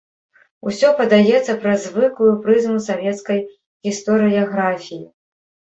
Усё падаецца праз звыклую прызму савецкай гістарыяграфіі.